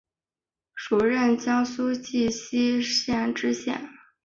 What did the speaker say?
署任江苏荆溪县知县。